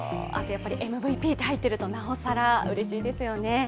ＭＶＰと入っていると、なおさらうれしいですよね。